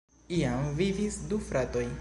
Iam vivis du fratoj.